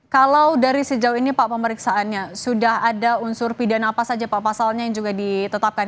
kalau dari sejauh ini pak pemeriksaannya sudah ada unsur pidana apa saja pak pasalnya yang juga ditetapkan